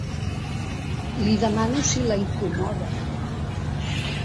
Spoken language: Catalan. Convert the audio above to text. Li demano si la incomoda.